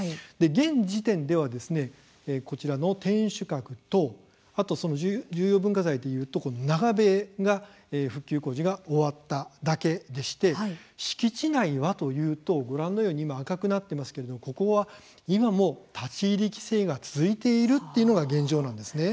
現時点ではですねこちらの天守閣と重要文化財でいうところの長塀が復旧工事が終わっただけでして敷地内はというと、ご覧のように今、赤くなっていますけれどここは今も立ち入り規制が続いているというのが現状なんですね。